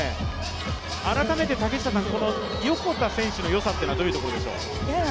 改めてこの横田選手のよさというのはどういうところでしょう？